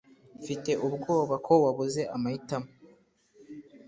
Mfite ubwoba ko wabuze amahitamo